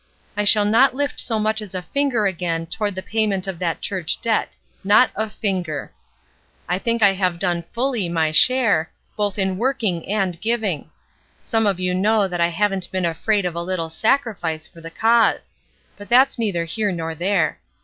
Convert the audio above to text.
I shall not lift so much as a finger again toward the payment of that church debt — not a finger! I think I have done fully my share, both in working and giving. Some of you know that I haven't been afraid of a little sacrifice for the cause; but that's neither here nor there.